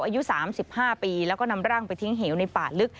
อายุ๓๕ปีแล้วก็นำร่างไปทิ้งเหวในป่าลึก